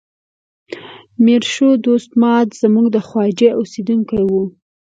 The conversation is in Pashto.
میر شو دوست ماد زموږ د ده خواجې اوسیدونکی و.